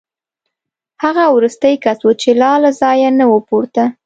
هغه وروستی کس و چې لا له ځایه نه و پورته